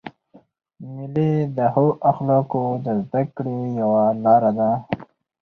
مېلې د ښو اخلاقو د زدهکړي یوه لاره ده.